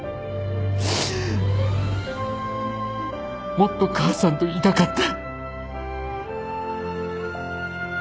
もっと母さんといたかった。